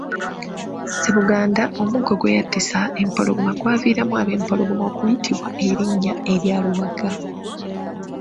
Ssebuganda omuggo gwe yattisa empologoma gwaviiramu ab’empologoma okuyitibwa erinnya erya Luwaga.